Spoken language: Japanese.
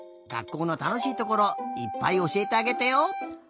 学校のたのしいところいっぱいおしえてあげてよ！